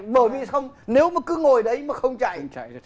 bởi vì nếu mà cứ ngồi đấy mà không chạy